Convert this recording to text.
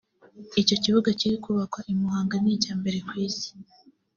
Icyo kibuga kiri kubakwa i Muhanga ni icya mbere ku Isi